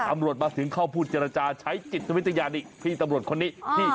อำรวจมาถึงเข้าพูดจรรยาใช้จิตวิทยาณิพี่ตำรวจคนนี้